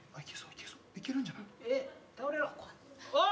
・いけるんじゃない？